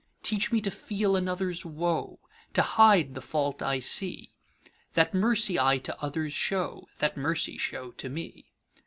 Teach me to feel another's woe, To hide the fault I see:That mercy I to others show, That mercy show to me.